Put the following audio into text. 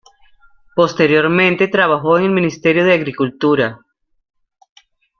Posteriormente trabajó en el Ministerio de Agricultura.